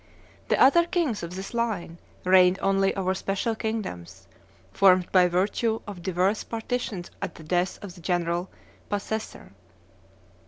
The other kings of this line reigned only over special kingdoms, formed by virtue of divers partitions at the death of their general possessor.